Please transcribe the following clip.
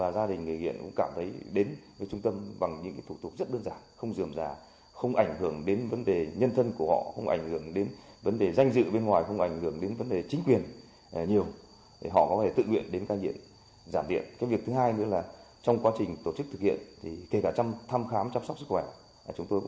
kể cả trong thăm khám chăm sóc sức khỏe chúng tôi cũng đã có những nghiên cứu